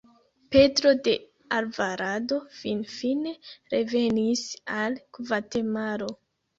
Pedro de Alvarado finfine revenis al Gvatemalo.